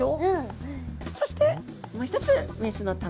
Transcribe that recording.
そしてもう一つ雌の卵。